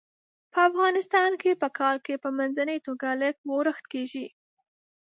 په افغانستان کې په کال کې په منځنۍ توګه لږ ورښت کیږي.